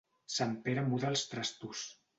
Sant Pere muda els trastos.